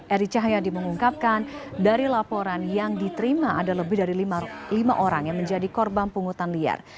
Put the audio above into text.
eri cahyadi mengungkapkan dari laporan yang diterima ada lebih dari lima orang yang menjadi korban pungutan liar